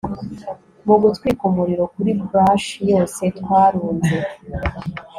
Mugutwika umuriro kuri brush yose twarunze